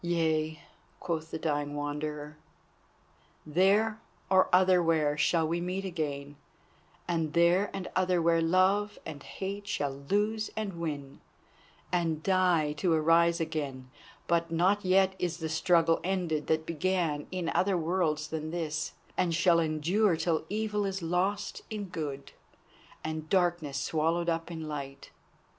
"Yea," quoth the dying Wanderer; "there or otherwhere shall we meet again, and there and otherwhere love and hate shall lose and win, and die to arise again. But not yet is the struggle ended that began in other worlds than this, and shall endure till evil is lost in good, and darkness swallowed up in light.